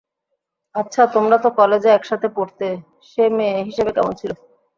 আচ্ছা তোমরা তো কলেজে একসাথে পড়তে সে মেয়ে হিসেবে কেমন ছিলো?